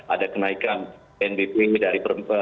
ada kenaikan nbp